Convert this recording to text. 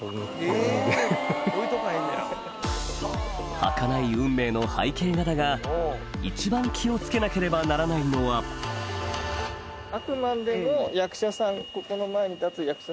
はかない運命の背景画だが一番気を付けなければならないのは言う時ありますよね。